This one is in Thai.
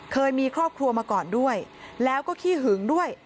เคยมีครอบครัวมาก่อนด้วยแล้วก็ขี้หึงด้วย